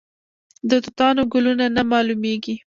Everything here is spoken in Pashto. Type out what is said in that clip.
د توتانو ګلونه نه معلومیږي؟